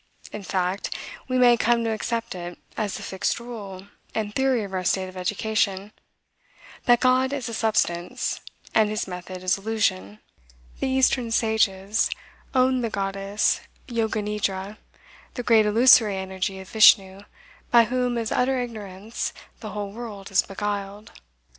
In fact, we may come to accept it as the fixed rule and theory of our state of education, that God is a substance, and his method is illusion. The eastern sages owned the goddess Yoganidra, the great illusory energy of Vishnu, by whom, as utter ignorance, the whole world is beguiled.